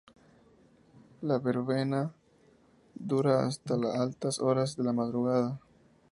La verbena dura hasta altas horas de la madrugada.